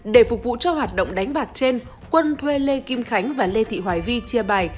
để phục vụ cho hoạt động đánh bạc trên quân thuê lê kim khánh và lê thị hoài vi chia bài